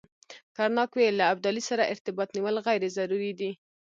کرناک ویل له ابدالي سره ارتباط نیول غیر ضروري دي.